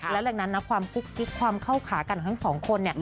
แล้วก็เหลือนั้นความคุกกิ๊กความเข้าขากันของทั้งสองคน